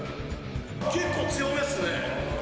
結構強めっすね。